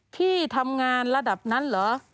พี่ทำงานระดับนั้นเหรอ